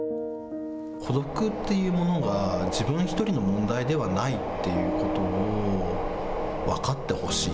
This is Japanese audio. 孤独っていうものが、自分一人の問題ではないっていうことを分かってほしい。